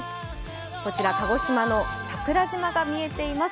こちら、鹿児島の桜島が見えています。